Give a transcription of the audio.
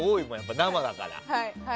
生だから。